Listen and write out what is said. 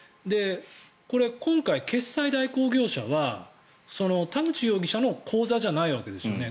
これ、今回は決済代行業者は田口容疑者の口座じゃないわけですよね。